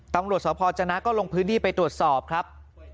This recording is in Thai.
ตำรวจสพจนะก็ลงพื้นที่ไปตรวจสอบครับ